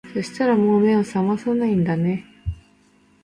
そしたらもう目を覚まさないんだね